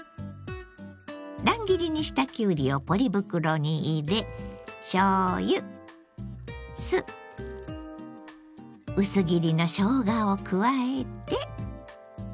乱切りにしたきゅうりをポリ袋に入れしょうゆ酢薄切りのしょうがを加えて。